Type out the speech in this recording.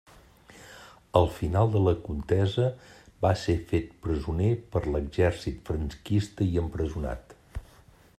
Al final de la contesa va ser fet presoner per l'Exèrcit franquista i empresonat.